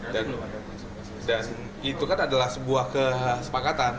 dan itu kan adalah sebuah kesepakatan